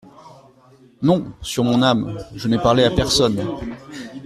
Non, sur mon âme, je n’en ai parlé à personne…